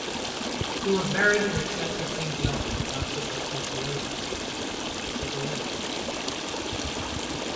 He was buried in the Church of Saint John the Baptist in Toledo.